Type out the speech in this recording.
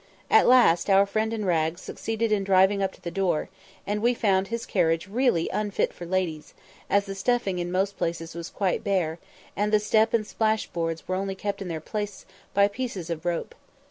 At last our friend in rags succeeded in driving up to the door, and we found his carriage really unfit for ladies, as the stuffing in most places was quite bare, and the step and splash boards were only kept in their places by pieces of rope.